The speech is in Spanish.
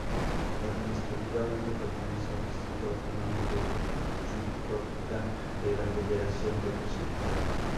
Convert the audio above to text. Administrativamente, pertenece al Distrito autónomo de Chukotka de la Federación de Rusia.